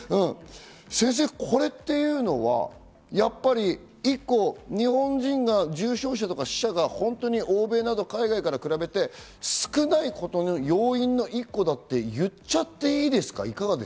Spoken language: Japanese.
先生、これっていうのは日本人は重症者とか死者が本当に欧米など海外から比べて少ないことの要因の一個だって言っちゃっていいですか？